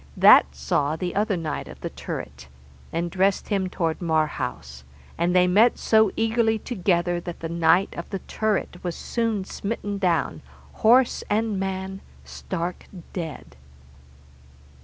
That saw the other knight of the turret, and dressed him toward Marhaus, and they met so eagerly together that the knight of the turret was soon smitten down, horse and man, stark dead.